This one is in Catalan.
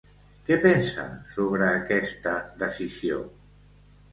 Què pensa sobre aquesta decisió?